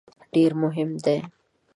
ډېر مهم دی.